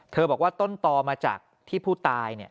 เธอบอกว่าต้นตอมาจากที่ผู้ตายเนี่ย